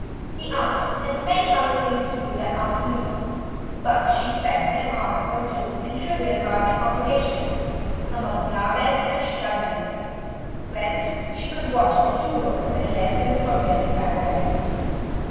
The aunt had many other things to do that afternoon, but she spent an hour or two in trivial gardening operations among flower beds and shrubberies, whence she could keep a watchful eye on the two doors that led to the forbidden paradise.